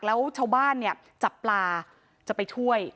แล้วชาวบ้านเนี่ยจับปลาจะไปช่วย